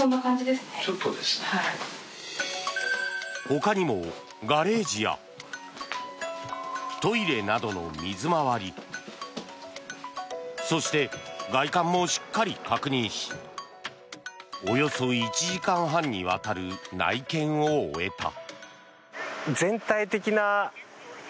ほかにもガレージやトイレなどの水回りそして外観もしっかり確認しおよそ１時間半にわたる内見を終えた。